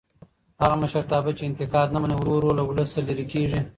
هغه مشرتابه چې انتقاد نه مني ورو ورو له ولسه لرې کېږي